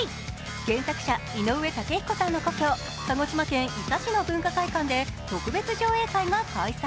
原作者・井上雄彦さんの故郷、鹿児島県伊佐市の文化会館で特別上映会が開催。